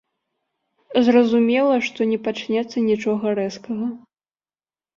Зразумела, што не пачнецца нічога рэзкага.